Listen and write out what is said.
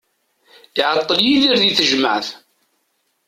Iɛeṭṭel Yidir di tejmaɛt.